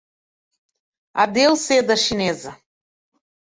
Adeus seda chinesa!